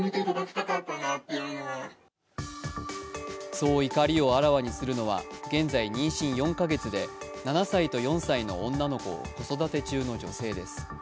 そう怒りをあらわにするのは現在妊娠４か月で７歳と４歳の女の子を子育て中の女性です。